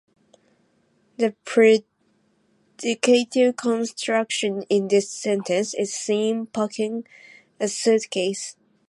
The predicative construction in this sentence is "seen packing a suitcase".